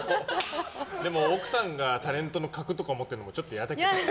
でも、奥さんがタレントの格とか思ってるのもちょっと嫌だけどね。